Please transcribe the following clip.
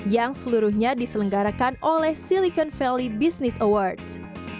yang seluruhnya diselenggarakan oleh silicon valley business awards